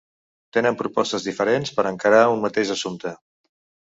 Tenen propostes diferents per encarar un mateix assumpte.